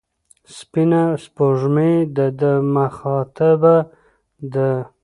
سپینه سپوږمۍ د ده مخاطبه ده.